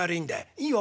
いいよ